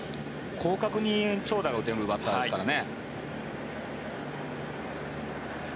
広角に長打が打てるバッターですからね。